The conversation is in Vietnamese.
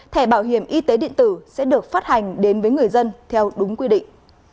hai nghìn hai mươi thẻ bảo hiểm y tế điện tử sẽ được phát hành đến với người dân theo đúng quy định